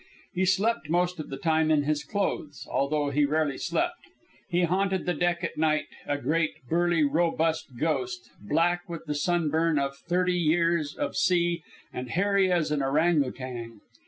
He slept most of the time in his clothes, though he rarely slept. He haunted the deck at night, a great, burly, robust ghost, black with the sunburn of thirty years of sea and hairy as an orang outang.